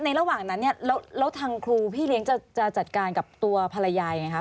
ระหว่างนั้นเนี่ยแล้วทางครูพี่เลี้ยงจะจัดการกับตัวภรรยายังไงคะ